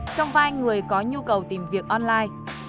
trong vai người có nhu cầu tìm việc online